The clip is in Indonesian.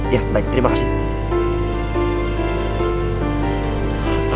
ya baik terima kasih